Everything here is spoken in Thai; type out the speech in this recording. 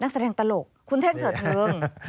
นักแสดงตลกคุณเท่งเถิดเทิง